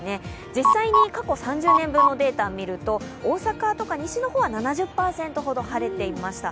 実際に過去３０年分のデータを見ると大阪とか西の方などでは７０％ほど晴れていました。